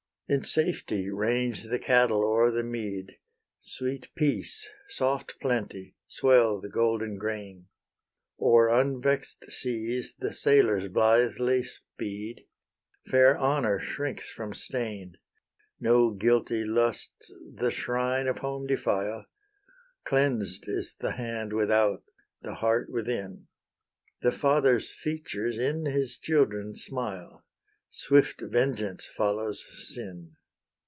In safety range the cattle o'er the mead: Sweet Peace, soft Plenty, swell the golden grain: O'er unvex'd seas the sailors blithely speed: Fair Honour shrinks from stain: No guilty lusts the shrine of home defile: Cleansed is the hand without, the heart within: The father's features in his children smile: Swift vengeance follows sin.